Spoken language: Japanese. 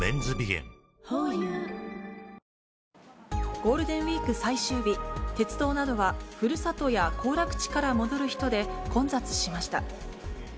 ゴールデンウィーク最終日、鉄道などは、ふるさとや行楽地から戻る人で混雑しました。